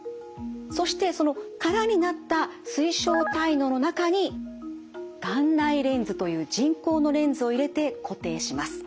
そしてその空になった水晶体嚢の中に眼内レンズという人工のレンズを入れて固定します。